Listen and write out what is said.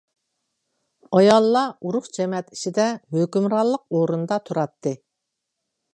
ئاياللار ئۇرۇق-جامائەت ئىچىدە ھۆكۈمرانلىق ئورۇندا تۇراتتى.